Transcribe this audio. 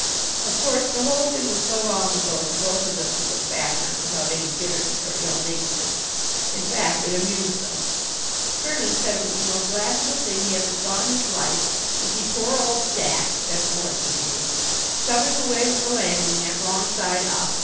Of course the whole thing was so long ago that both of them could look back on it without any bitterness or ill nature. In fact it amused them. Kernin said it was the most laughable thing he ever saw in his life to see poor old Jack that's Morse's name shoving away with the landing net wrong side up.